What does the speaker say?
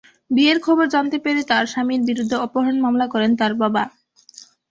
বিয়ের খবর জানতে পেরে তাঁর স্বামীর বিরুদ্ধে অপহরণ মামলা করেন তাঁর বাবা।